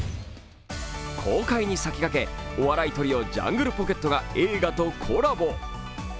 公開に先駆け、お笑いトリオジャングルポケットが映画とコラボ。